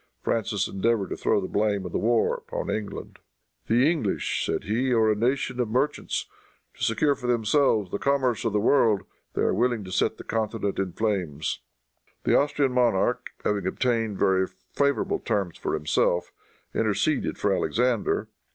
Francis endeavored to throw the blame of the war upon England. "The English," said he, "are a nation of merchants. To secure for themselves the commerce of the world they are willing to set the continent in flames!" The Austrian monarch, having obtained very favorable terms for himself, interceded for Alexander.